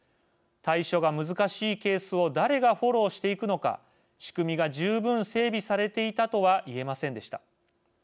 対処が難しいケースを誰がフォローしていくのか仕組みが十分整備されていたとは言えませんでした。